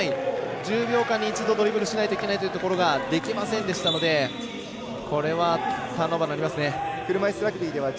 １０秒間に一度ドリブルしなくちゃいけないところができませんでしたのでこれはターンオーバーになります。